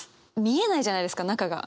見えないじゃないですか中が。